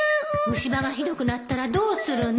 虫歯がひどくなったらどうするの？